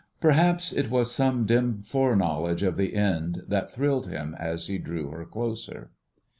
Perhaps it was some dim foreknowledge of the end that thrilled him as he drew her closer.